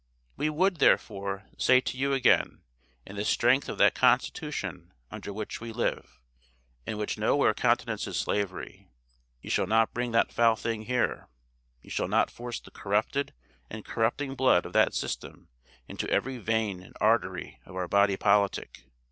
"We would, therefore, say to you again, in the strength of that Constitution under which we live, and which no where countenances slavery, you shall not bring that foul thing here. You shall not force the corrupted and corrupting blood of that system into every vein and artery of our body politic.